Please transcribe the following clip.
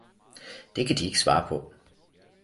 Det kan de ikke svare på